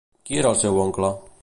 Qui era el seu oncle?